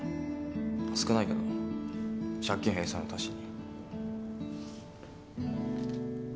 少ないけど借金返済の足しに。